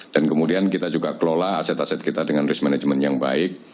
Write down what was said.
dan kemudian kita juga kelola aset aset kita dengan risk management yang baik